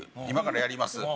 今からやります